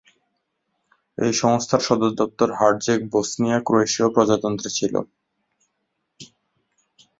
এই সংস্থার সদর দপ্তর হার্জেগ-বসনিয়া ক্রোয়েশীয় প্রজাতন্ত্রে ছিল।